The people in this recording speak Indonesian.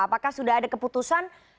apakah sudah ada keputusan